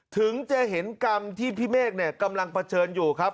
ถึงจะเห็นกรรมที่พี่เมฆกำลังเผชิญอยู่ครับ